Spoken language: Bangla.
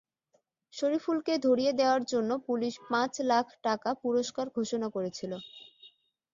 শরিফুলকে ধরিয়ে দেওয়ার জন্য পুলিশ পাঁচ লাখ টাকা পুরস্কার ঘোষণা করেছিল।